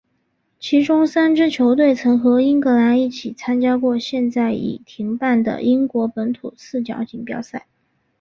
其中三支球队曾和英格兰一起参加过现在已停办的英国本土四角锦标赛。